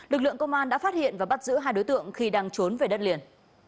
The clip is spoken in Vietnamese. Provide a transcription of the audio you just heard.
lực lượng công an đã phát hiện và bắt giữ hai đối tượng khi đang trốn về đất liền